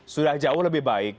sudah jauh lebih baik